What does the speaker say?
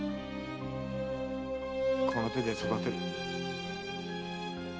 この手で育てる。